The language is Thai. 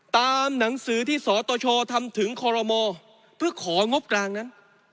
ตามหนังสือที่สตชทำถึงคอรมอเพื่อของงบกลางนั้น